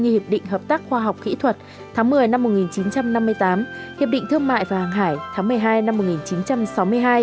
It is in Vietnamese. như hiệp định hợp tác khoa học kỹ thuật tháng một mươi năm một nghìn chín trăm năm mươi tám hiệp định thương mại và hàng hải tháng một mươi hai năm một nghìn chín trăm sáu mươi hai